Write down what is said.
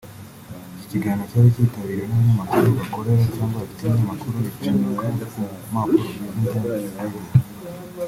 Iki kiganiro cyari cyitabiriwe n’abanyamakuru bakorera cyangwa bafite ibinyamakuru bicapwaku mpapuro(Print media)